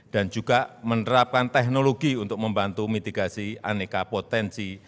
dan juga menerapkan teknologi untuk membantu mitigasi aneka potensi